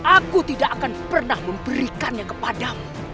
aku tidak akan pernah memberikannya kepadamu